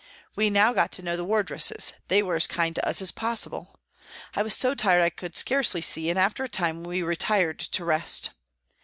We now got to know the wardresses they were as kind to us as possible. I was so tired I could scarcely see, and after a time we retired to rest.